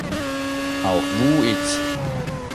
Auch "Voo-It!